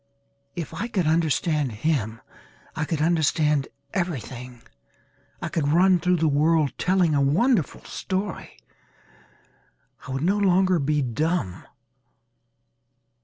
If I could understand him I could understand everything. I could run through the world telling a wonderful story. I would no longer be dumb.